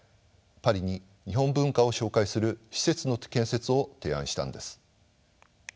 パリに日本文化を紹介する施設の建設を提案したんです。